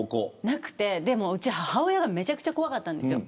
なくて、でも母親がめちゃくちゃ怖かったんですよ。